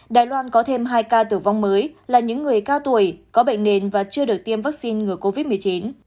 đài loan có thêm hai ca tử vong mới là những người cao tuổi có bệnh nền và chưa được tiêm vaccine ngừa covid một mươi chín